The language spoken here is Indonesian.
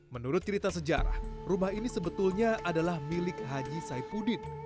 menurut cerita sejarah rumah ini sebetulnya adalah milik haji saipudin